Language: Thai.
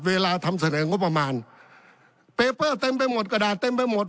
เวลาทำเสนองบประมาณเปเปอร์เต็มไปหมดกระดาษเต็มไปหมด